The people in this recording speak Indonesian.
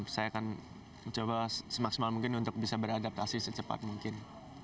saya akan coba semaksimal mungkin untuk bisa beradaptasi secepat mungkin